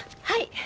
はい。